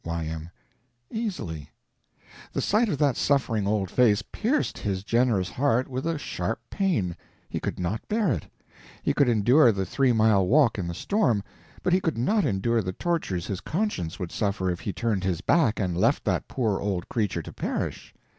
Y.M. Easily. The sight of that suffering old face pierced his generous heart with a sharp pain. He could not bear it. He could endure the three mile walk in the storm, but he could not endure the tortures his conscience would suffer if he turned his back and left that poor old creature to perish.